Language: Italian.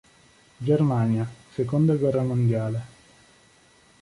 Germania, seconda guerra mondiale.